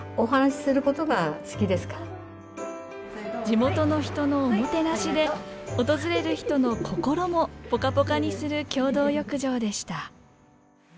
地元の人のおもてなしで訪れる人の心もぽかぽかにする共同浴場でした。